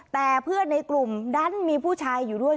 แต่เพื่อนในกลุ่มดันมีผู้ชายอยู่ด้วย